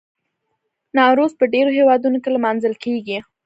نوروز په ډیرو هیوادونو کې لمانځل کیږي.